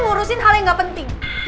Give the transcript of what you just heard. aku harus ungkap semua kebohongan ini